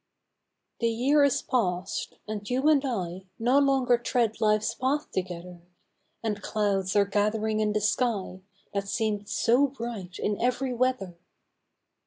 THE year is past, and you and I No longer tread life's path together, And clouds are gathering in the sky, That seem'd so bright in ev'ry weather